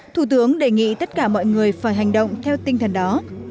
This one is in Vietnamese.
thủ tướng đề nghị tất cả mọi người phải hành động theo tinh thần đó